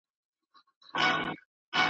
محتسب ډېوې وژلي د رڼا غلیم راغلی !.